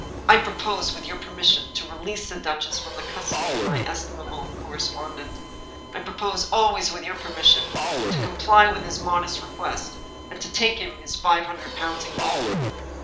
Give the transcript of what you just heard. " I propose, with your permission, to release the duchess from the custody of my estimable correspondent. I pro pose — ^always with your permission — ^to comply with his modest request, and to take him his five hundred pounds in gold."